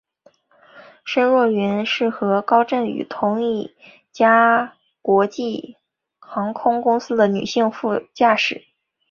申若云是和高振宇同一家国际航空公司的女性副驾驶。